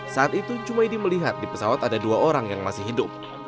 saat itu jumaidi melihat di pesawat ada dua orang yang masih hidup